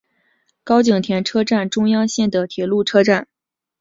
高井田车站中央线的铁路车站。